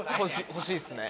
欲しいっすね。